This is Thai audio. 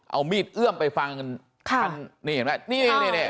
เอามีดเอื้อมไปฟังคันค่ะนี่เห็นไหมนี่นี่นี่นี่อ่า